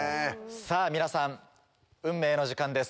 さぁ皆さん運命の時間です。